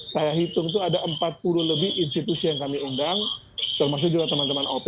saya hitung itu ada empat puluh lebih institusi yang kami undang termasuk juga teman teman op